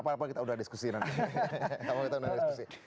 apa apa kita udah diskusiin nanti